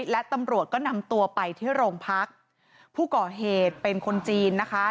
และตำรวจก็นำตัวไปที่โรงพักผู้ก่อเหตุเป็นคนจีนนะคะ